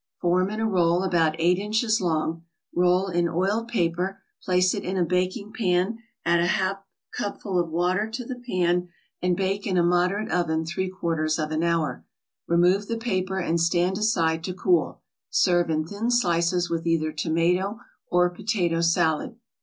Form in a roll about eight inches long, roll in oiled paper, place it in a baking pan, add a half cupful of water to the pan and bake in a moderate oven three quarters of an hour. Remove the paper and stand aside to cool. Serve in thin slices with either tomato or potato salad.